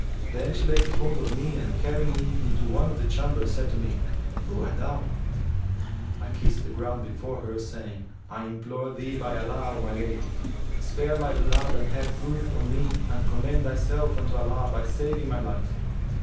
Then she laid hold of me and carrying me into one of the chambers, said to me, 'Who art thou?' I kissed the ground before her saying, 'I implore thee by Allah, O my lady, spare my blood and have ruth on me and commend thyself unto Allah by saving my life!'